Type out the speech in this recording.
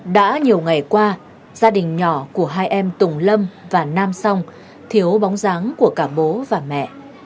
đã nhiều ngày qua gia đình nhỏ của hai em tùng lâm và nam song thiếu bóng dáng của cả bố và mẹ